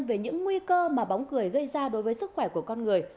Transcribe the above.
về những nguy cơ mà bóng cười gây ra đối với sức khỏe của con người